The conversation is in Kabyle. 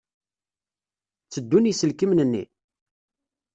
Tteddun yiselkimen-nni?